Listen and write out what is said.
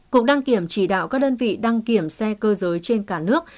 cục đăng kiểm chỉ đạo các đơn vị đăng kiểm xe cơ giới trên cả nước